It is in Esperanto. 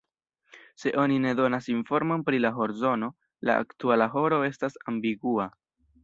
Se oni ne donas informon pri la horzono, la aktuala horo estas ambigua.